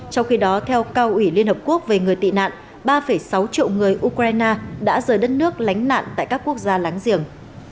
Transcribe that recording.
trong khi đó theo cao ủy liên hợp quốc về người tị nạn ba sáu triệu người ukraine đã rời đất nước lánh nạn tại các quốc gia láng giềng